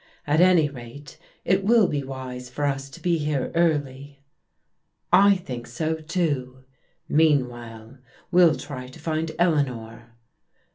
" At any rate it will be wise for us to be here early." " I think so, too. Meanwhile well try to find Elea nor.